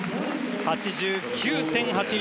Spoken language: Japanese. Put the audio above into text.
８９．８１。